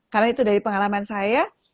karena itu dari pengalaman saya